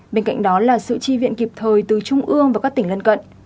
bên cạnh đó là sự chi viện kịp thời từ trung ương và các tỉnh gần cận